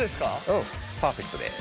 うんパーフェクトです。